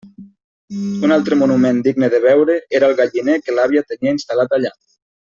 Un altre monument digne de veure era el galliner que l'àvia tenia instal·lat allà.